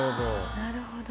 なるほど。